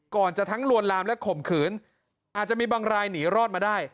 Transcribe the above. ก่อนจะทั้งลวนลามและข่มขืนอาจจะมีบางรายหนีรอดมาได้